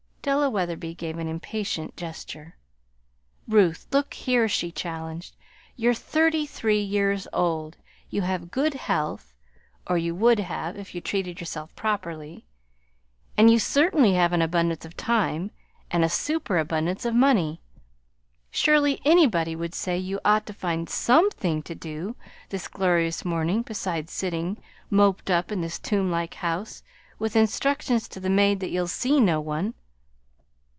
Della Wetherby gave an impatient gesture. "Ruth, look here," she challenged. "You're thirty three years old. You have good health or would have, if you treated yourself properly and you certainly have an abundance of time and a superabundance of money. Surely anybody would say you ought to find SOMETHING to do this glorious morning besides sitting moped up in this tomb like house with instructions to the maid that you'll see no one."